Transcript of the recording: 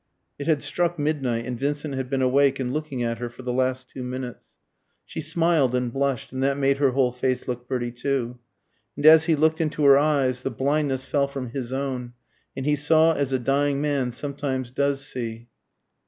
It had struck midnight, and Vincent had been awake and looking at her for the last two minutes. She smiled and blushed, and that made her whole face look pretty too. And as he looked into her eyes the blindness fell from his own, and he saw as a dying man sometimes does see.